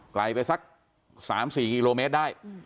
ไกลไปสัก๓๔กิโลเมตรได้